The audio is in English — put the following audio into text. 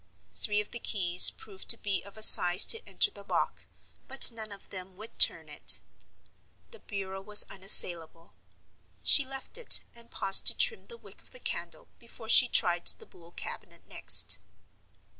Three of the keys proved to be of a size to enter the lock, but none of them would turn it. The bureau was unassailable. She left it, and paused to trim the wick of the candle before she tried the buhl cabinet next.